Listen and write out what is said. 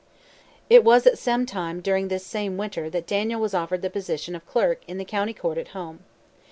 It was at some time during this same winter that Daniel was offered the position of clerk in the County Court at home.